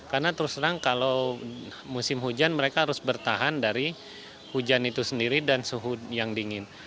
karena terus terang kalau musim hujan mereka harus bertahan dari hujan itu sendiri dan suhu yang dingin